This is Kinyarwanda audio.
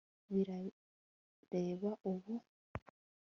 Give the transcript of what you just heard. birareba ubu